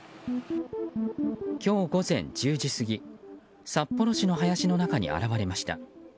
今日午前１０時過ぎ札幌市の林の中に現われました。